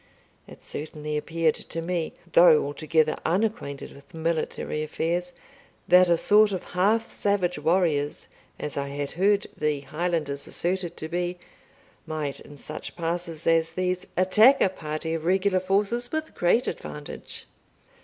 It certainly appeared to me, though altogether unacquainted with military affairs, that a sort of half savage warriors, as I had heard the Highlanders asserted to be, might, in such passes as these, attack a party of regular forces with great advantage.